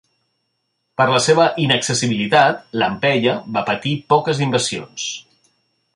Per la seva innaccessibilitat, Lampeia va patir poques invasions.